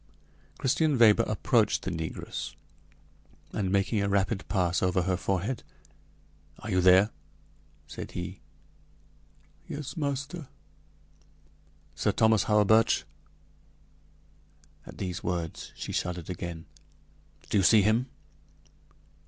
Christian Weber approached the negress, and making a rapid pass over her forehead: "Are you there?" said he. "Yes, master." "Sir Thomas Hawerburch?" At these words she shuddered again. "Do you see him?"